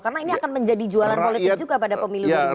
karena ini akan menjadi jualan politik juga pada pemilu dari bukit tengah